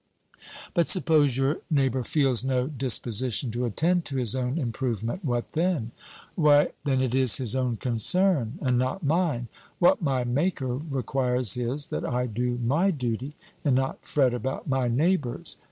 "But suppose your neighbor feels no disposition to attend to his own improvement what then?" "Why, then it is his own concern, and not mine. What my Maker requires is, that I do my duty, and not fret about my neighbor's."